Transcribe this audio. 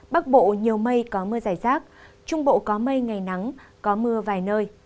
bắc bộ nhiều mây có mưa rải rác trung bộ có mây ngày nắng có mưa vài nơi